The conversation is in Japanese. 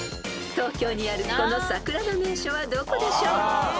［東京にあるこの桜の名所はどこでしょう？］